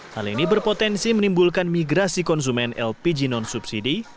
hal ini berpotensi menimbulkan migrasi konsumen lpg non subsidi